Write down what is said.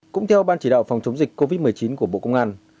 cũng theo ban chỉ đạo phòng chống dịch covid một mươi chín của bộ công an